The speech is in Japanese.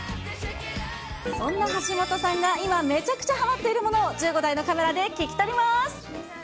そんな橋本さんが今、めちゃくちゃはまっているものを１５台のカメラで聞き取ります。